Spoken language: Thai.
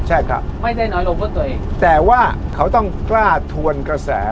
ใช่ครับไม่ได้น้อยลงเพื่อตัวเองแต่ว่าเขาต้องกล้าทวนกระแส